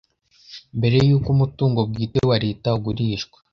Mbere y uko umutungo bwite wa leta ugurishwa